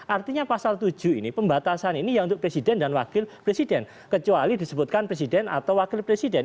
artinya pasal tujuh ini pembatasan ini yang untuk presiden dan wakil presiden kecuali disebutkan presiden atau wakil presiden